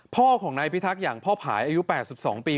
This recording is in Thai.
พ่อของนายพิทักษ์อย่างพ่อผายอายุ๘๒ปี